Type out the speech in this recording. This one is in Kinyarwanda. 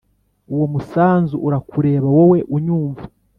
uwo musanzu urakureba wowe unyumva